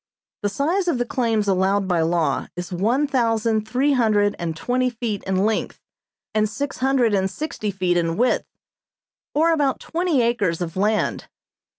The size of the claims allowed by law is one thousand three hundred and twenty feet in length, and six hundred and sixty feet in width; or about twenty acres of land.